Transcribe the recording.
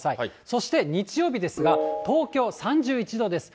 そして、日曜日ですが、東京３１度です。